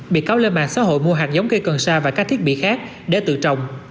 bị cáo lên mạng xã hội mua hạt giống cây cần sa và các thiết bị khác để tự trồng